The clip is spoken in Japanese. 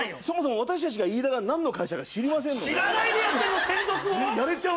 そもそも私たちがイイダが何の会社か知りませんので。